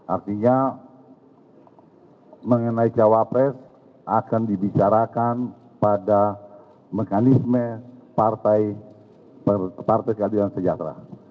artinya mengenai cawapres akan dibicarakan pada mekanisme partai keadilan sejahtera